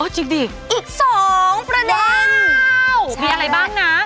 จริงดิอีก๒ประเด็นมีอะไรบ้างนะ